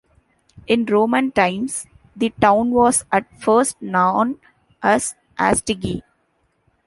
In Roman times the town was at first known as Astigi.